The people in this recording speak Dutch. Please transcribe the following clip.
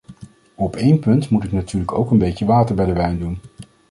Op één punt moet ik natuurlijk ook een beetje water bij de wijn doen.